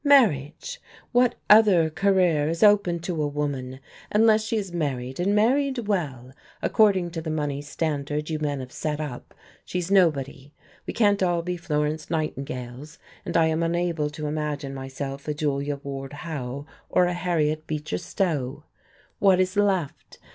"Marriage! What other career is open to a woman? Unless she is married, and married well, according to the money standard you men have set up, she is nobody. We can't all be Florence Nightingales, and I am unable to imagine myself a Julia Ward Howe or a Harriet Beecher Stowe. What is left?